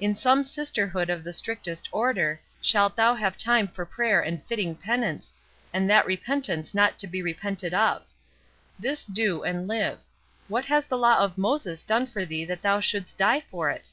In some sisterhood of the strictest order, shalt thou have time for prayer and fitting penance, and that repentance not to be repented of. This do and live—what has the law of Moses done for thee that thou shouldest die for it?"